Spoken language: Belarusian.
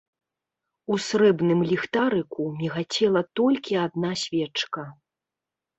У срэбным ліхтарыку мігацела толькі адна свечка.